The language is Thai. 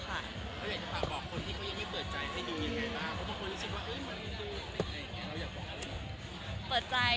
เขาอยากจะปล่อยบอกคนที่เขายังไม่เปิดใจให้ดูยังไงบ้างเพราะทุกคนรู้สึกว่าเอ๊ะมันมีเรื่องอะไรอย่างเงี้ย